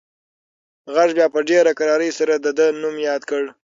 غږ بیا په ډېره کرارۍ سره د ده نوم یاد کړ.